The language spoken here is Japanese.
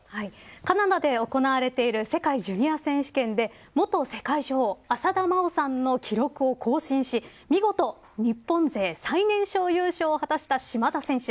カナダで行われている世界ジュニア選手権で元世界女王浅田真央さんの記録を更新し見事、日本勢最年少優勝を果たした島田選手。